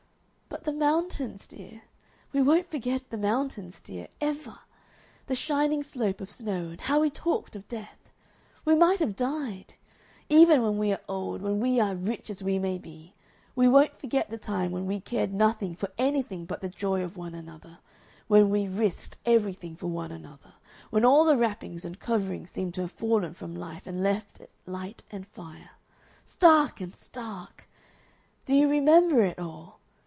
But the mountains, dear! We won't forget the mountains, dear, ever. That shining slope of snow, and how we talked of death! We might have died! Even when we are old, when we are rich as we may be, we won't forget the tune when we cared nothing for anything but the joy of one another, when we risked everything for one another, when all the wrappings and coverings seemed to have fallen from life and left it light and fire. Stark and stark! Do you remember it all?...